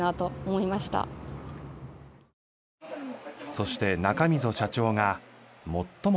そして中溝社長が本当に。